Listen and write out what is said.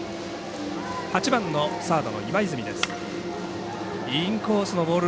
８番のサードの今泉です。